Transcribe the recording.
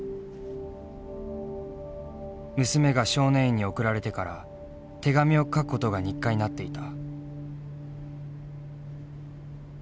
娘が少年院に送られてから手紙を書くことが日課になっていた。